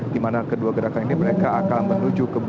di mana kedua gerakan